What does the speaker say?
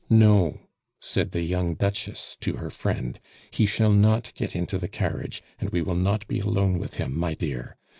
"No," said the young Duchess to her friend, "he shall not get into the carriage, and we will not be alone with him, my dear.